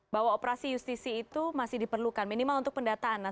bahwa operasi justisi itu masih diperlukan minimal untuk pendataan